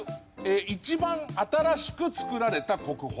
一番新しく作られた国宝。